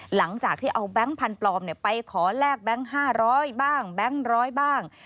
หลังจากที่เอาแบงค์พันธุ์ปลอมไปขอแลกแบงค์๕๐๐บ้างแบงค์ร้อยบ้าง